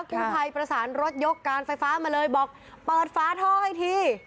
กู้ภัยประสานรถยกการไฟฟ้ามาเลยบอกเปิดฝาท่อให้ที